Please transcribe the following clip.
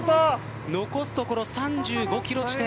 残すところ３５ｋｍ地点。